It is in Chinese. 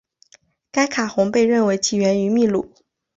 该卡洪被认为起源于秘鲁。